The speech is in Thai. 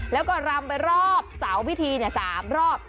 แล้วก็รำไปรอบเสาพิธี๓รอบ